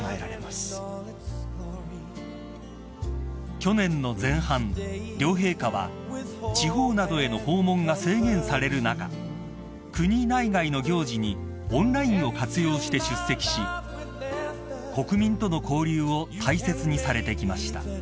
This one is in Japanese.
［去年の前半両陛下は地方などへの訪問が制限される中国内外の行事にオンラインを活用して出席し国民との交流を大切にされてきました］